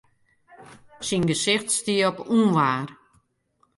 Syn gesicht stie op ûnwaar.